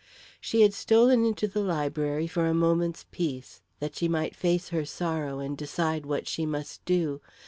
She had stolen into the library for a moment's peace, that she might face her sorrow and decide what she must do.